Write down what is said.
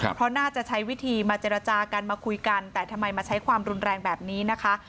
เพราะน่าจะใช้วิธีมาเจรจากันมาคุยกันแต่ทำไมมาใช้ความรุนแรงแบบนี้นะคะ